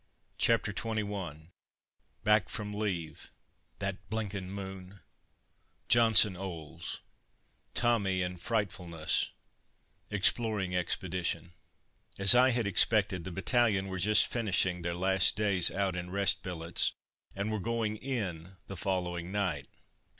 CHAPTER XXI BACK FROM LEAVE THAT "BLINKIN' MOON" JOHNSON 'OLES TOMMY AND "FRIGHTFULNESS" EXPLORING EXPEDITION As I had expected, the battalion were just finishing their last days out in rest billets, and were going "in" the following night.